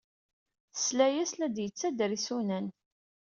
Tesla-as la d-yettader isunan.